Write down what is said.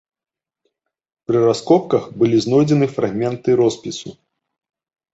Пры раскопках былі знойдзены фрагменты роспісу.